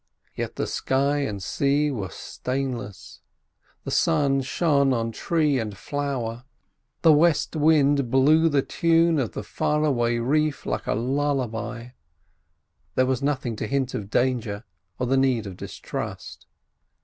Yet the sky and sea were stainless, the sun shone on tree and flower, the west wind brought the tune of the far away reef like a lullaby. There was nothing to hint of danger or the need of distrust.